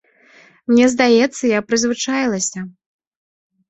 Мне здаецца, я прызвычаілася.